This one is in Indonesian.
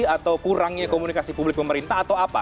atau kurangnya komunikasi publik pemerintah atau apa